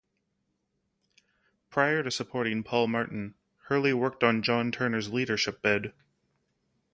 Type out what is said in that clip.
Prior to supporting Paul Martin, Herle worked on John Turner's leadership bid.